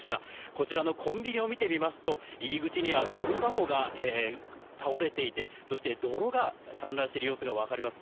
こちらのコンビニを見てみますと、入り口にはごみ箱が倒れていて、そして泥が散乱している様子が分かります。